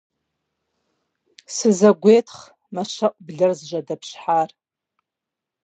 - Сызэгуетхъ! - мэщэӀу блэр зыжьэдэпщхьар.